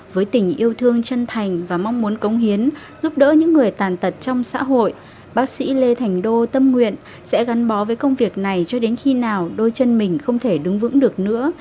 với tình yêu thương chân thành và mong muốn công hiến giúp đỡ những người tàn tật trong xã hội bác sĩ lê thành đô tâm nguyện sẽ gắn bó với công việc này cho đến khi nào đôi chân mình không thể đứng vững được nữa